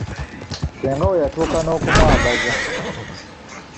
Ssenga we yatuuka n'okumwambaza!